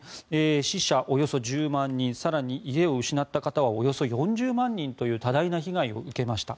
死者およそ１０万人更に家を失った方はおよそ４０万人という多大な被害を受けました。